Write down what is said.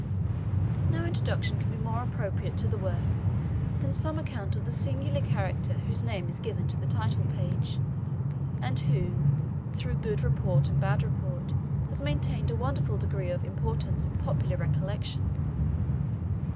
No introduction can be more appropriate to the work than some account of the singular character whose name is given to the title page, and who, through good report and bad report, has maintained a wonderful degree of importance in popular recollection.